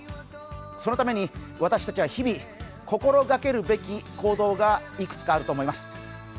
そのために私たちは日々心がけるべき行動がいくつかあると思います。